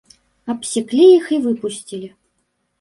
Абсеклі іх і выпусцілі.